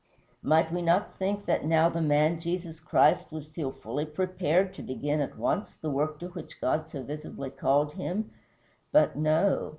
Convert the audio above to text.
Might we not think that now the man Jesus Christ would feel fully prepared to begin at once the work to which God so visibly called him? But no.